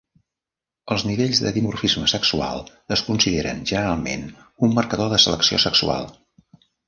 Els nivells de dimorfisme sexual es consideren, generalment, un marcador de selecció sexual.